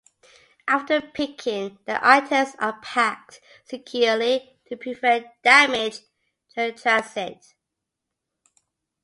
After picking, the items are packed securely to prevent damage during transit.